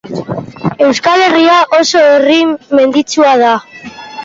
Euskal Herria oso herri menditsua da.